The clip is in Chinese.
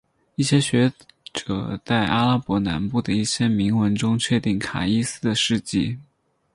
一些学者在阿拉伯南部的一些铭文中确定卡伊斯的事迹。